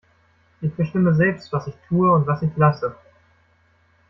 Ich bestimme selbst, was ich tue und was ich lasse.